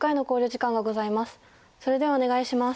それではお願いします。